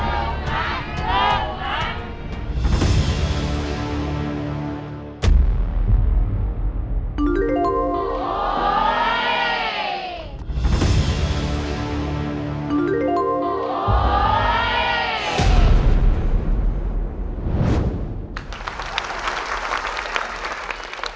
ลุงทักลุงทัก